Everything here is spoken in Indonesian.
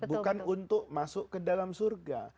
bukan untuk masuk ke dalam surga